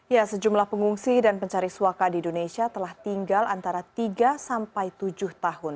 ya sejumlah pengungsi dan pencari suaka di indonesia telah tinggal antara tiga sampai tujuh tahun